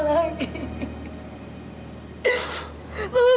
mama gak mau ketemu sama mama lagi